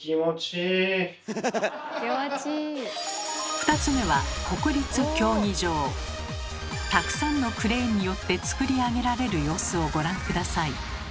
２つ目はたくさんのクレーンによってつくり上げられる様子をご覧下さい。